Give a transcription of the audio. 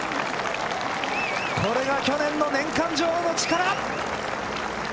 これが去年の年間女王の力。